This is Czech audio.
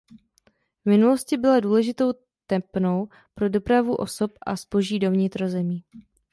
V minulosti byla důležitou tepnou pro dopravu osob a zboží do vnitrozemí.